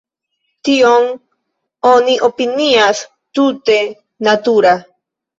Tion oni opinias tute natura.